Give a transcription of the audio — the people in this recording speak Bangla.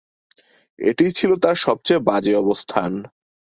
এটিই ছিল তার সবচেয়ে বাজে অবস্থান।